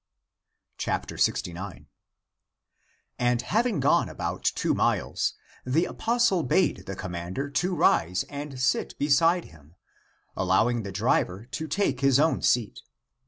ACTS OF THOMAS 285 69. And having gone about two miles, the apos tle bade the commander to rise and sit beside him, allowing the driver to take his own seat.